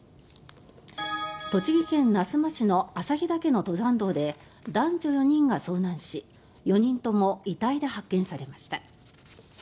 栃木県那須町の朝日岳の登山道で男女４人が遭難し４人とも遺体で発見されました。